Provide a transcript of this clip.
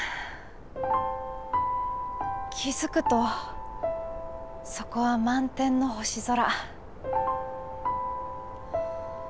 気付くとそこは満天の星空。